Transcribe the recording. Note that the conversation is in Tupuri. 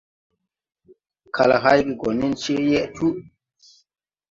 Kal hayge gɔ nen cee yeʼ tuu.